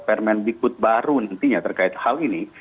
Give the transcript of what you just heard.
permen dikut baru nantinya terkait hal ini